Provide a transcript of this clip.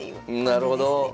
なるほど。